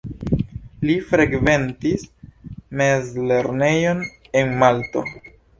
Li frekventis mezlernejon en Malto.